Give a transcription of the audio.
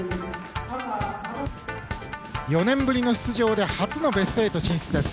４年ぶりの出場で初のベスト８進出です。